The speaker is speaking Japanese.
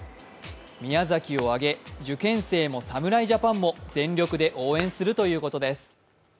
宮崎を挙げ、受験生も侍ジャパンも全力で応援するということです。